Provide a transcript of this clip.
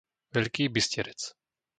Veľký Bysterec